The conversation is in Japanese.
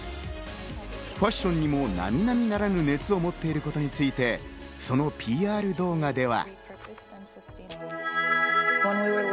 ファッションにも並々ならぬ熱を持っていることについて、そのＰＲ動画では。